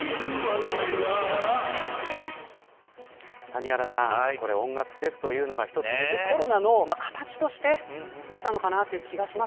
谷原さん音楽フェスというのが一つウィズコロナの形として見えたのかなという